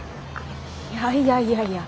いやいやいやいや。